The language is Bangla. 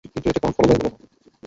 কিন্তু এতে কোন ফলোদয় হল না।